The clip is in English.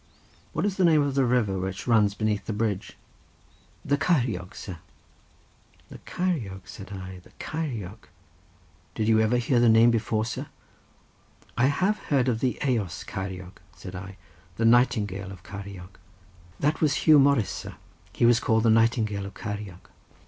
"What is the name of the river, which runs beneath the bridge?" "The Ceiriog, sir." "The Ceiriog," said I; "the Ceiriog!" "Did you ever hear the name before, sir?" "I have heard of the Eos Ceiriog," said I; "the Nightingale of Ceiriog." "That was Huw Morris, sir; he was called the Nightingale of Ceiriog."